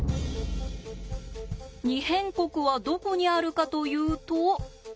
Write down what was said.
「二辺国」はどこにあるかというと。